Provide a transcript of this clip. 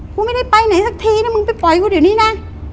กูไม่ได้ไปไหนสักทีนะมึงไปปล่อยกูเดี๋ยวนี้นะ